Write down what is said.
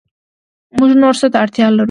موږ نور څه ته اړتیا لرو